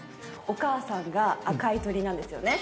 お母さんが「アカイトリ」なんですよね？